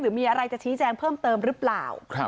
มีอะไรจะชี้แจงเพิ่มเติมหรือเปล่า